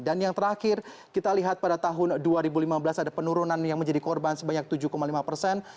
dan yang terakhir kita lihat pada tahun dua ribu lima belas ada penurunan yang menjadi korban sebanyak tujuh lima persen